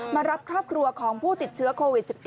มารับครอบครัวของผู้ติดเชื้อโควิด๑๙